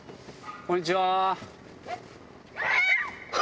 こんにちは。